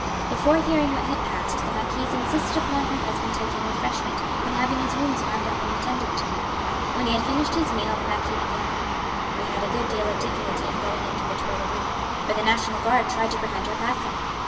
Before hearing what had passed the marquise insisted upon her husband taking refreshment and having his wounds bound up and attended to. When he had finished his meal the marquis began: "We had a good deal of difficulty in getting into the Tuileries, for the National Guard tried to prevent our passing.